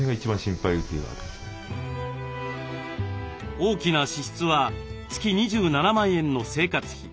大きな支出は月２７万円の生活費。